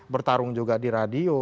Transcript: bertarung juga di radio